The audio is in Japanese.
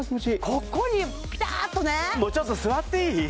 ここにピタッとねもうちょっと座っていい？